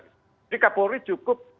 jadi kapolri cukup